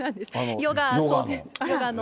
ヨガの。